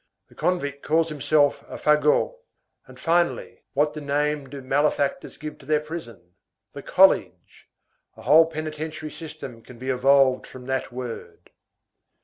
The convict calls himself a fagot.—And finally, what name do malefactors give to their prison? The college. A whole penitentiary system can be evolved from that word.